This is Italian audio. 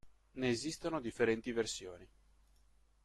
Ne esistono differenti versioni.